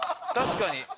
確かに。